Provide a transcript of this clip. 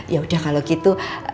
yaudah kalau gitu